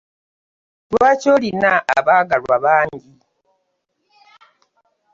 Lwaki olina abagalwa bangi?